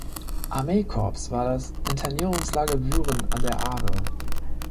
Armeekorps war das Internierungslager Büren an der Aare.